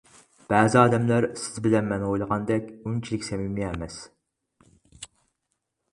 بەزى ئادەملەر سىز بىلەن مەن ئويلىغاندەك ئۇنچىلىك سەمىمىي ئەمەس.